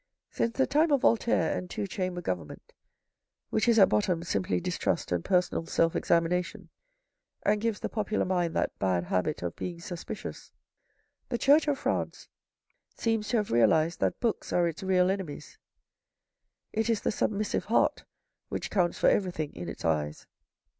Since the time of Voltaire and two chamber Government, which is at bottom simply distrust and personal self examina tion, and gives the popular mind that bad habit of being suspicious, the Church of France seems to have realised that books are its real enemies. It is the submissive heart which counts for everything in its eyes.